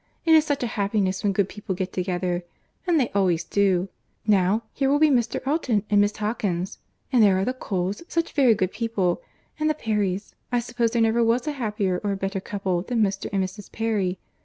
It is such a happiness when good people get together—and they always do. Now, here will be Mr. Elton and Miss Hawkins; and there are the Coles, such very good people; and the Perrys—I suppose there never was a happier or a better couple than Mr. and Mrs. Perry.